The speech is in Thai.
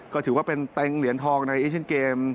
ก็ถือว่าเป็นเต็งเหรียญทองในเอเชียนเกม